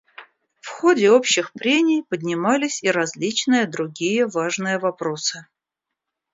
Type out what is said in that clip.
В ходе общих прений поднимались и различные другие важные вопросы.